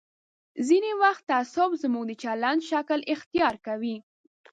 ځینې وخت تعصب زموږ د چلند شکل اختیار کوي.